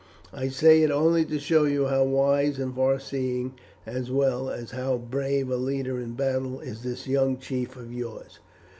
I say it only to show you how wise and far seeing as well as how brave a leader in battle is this young chief of yours.